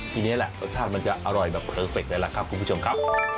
ทีนี้แหละรสชาติมันจะอร่อยแบบเพอร์เฟคเลยล่ะครับคุณผู้ชมครับ